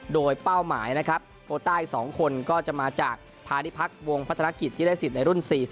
โดยเป้าหมายนะครับโคต้า๒คนก็จะมาจากพาณิพักษ์วงพัฒนกิจที่ได้สิทธิ์ในรุ่น๔๐